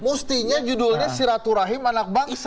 mustinya judulnya siratu rahim anak bangsa